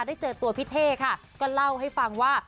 ได้เจอตัวพี่เท่ค่ะก็เล่าให้ฟังว่า